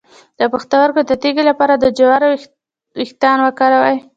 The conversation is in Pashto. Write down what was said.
د پښتورګو د تیږې لپاره د جوارو ویښتان وکاروئ